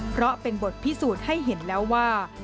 เพราะเป็นบทพิสูจน์ให้เห็นแล้วว่า